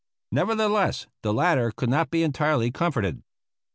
Nevertheless the latter could not be entirely comforted.